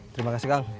terima kasih kang